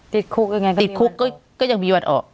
ติดคุกยังไงก็ติดคุกก็ยังมีวันออก